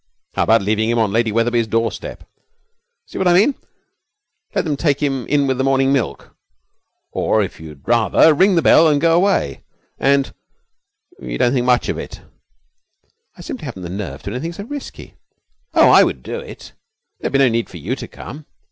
'How about leaving him on Lady Wetherby's doorstep? See what I mean let them take him in with the morning milk? Or, if you would rather ring the bell and go away, and you don't think much of it?' 'I simply haven't the nerve to do anything so risky.' 'Oh, I would do it. There would be no need for you to come.'